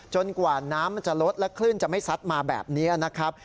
จนกว่าน้ำจะลดและขึ้นจะไม่ซัดมาแบบนี้นะครับ